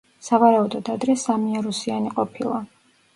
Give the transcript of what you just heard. სავარაუდოდ ადრე სამიარუსიანი ყოფილა.